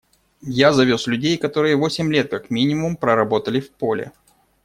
Я завез людей, которые восемь лет как минимум проработали в поле.